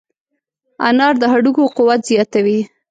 انار د هډوکو قوت زیاتوي.